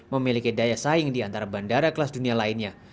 memiliki daya saing di antara bandara kelas dunia lainnya